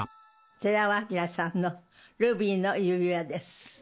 寺尾聰さんのルビーの指環です。